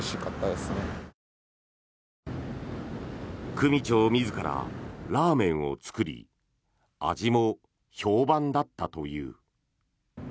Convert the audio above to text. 組長自らラーメンを作り味も評判だったという。